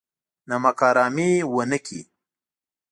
نمک حرامي ونه کړي.